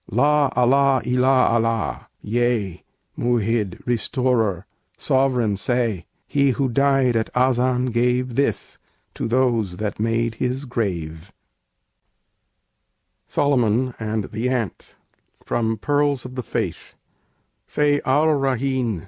"La Allah illa Allah! Yea, Mu'hid! Restorer! Sovereign!" say! He who died at Azan gave This to those that made his grave. SOLOMON AND THE ANT From 'Pearls of the Faith' _Say Ar Raheen!